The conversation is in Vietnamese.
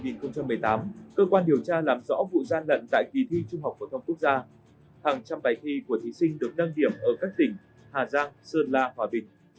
năm hai nghìn một mươi tám cơ quan điều tra làm rõ vụ gian lận tại kỳ thi trung học phổ thông quốc gia hàng trăm bài thi của thí sinh được đăng điểm ở các tỉnh hà giang sơn la hòa bình